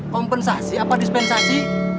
kompensasi apa dispensasi